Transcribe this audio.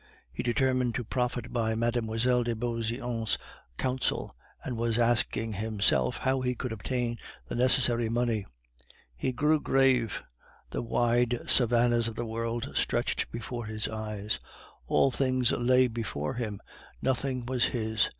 He determined to profit by Mme. de Beauseant's counsels, and was asking himself how he could obtain the necessary money. He grew grave. The wide savannas of the world stretched before his eyes; all things lay before him, nothing was his.